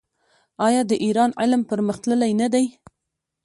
آیا د ایران علم پرمختللی نه دی؟